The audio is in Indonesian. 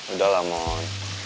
udah lah mon